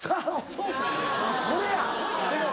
そうかこれや。